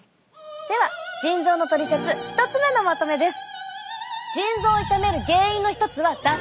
では腎臓のトリセツ１つ目のまとめです。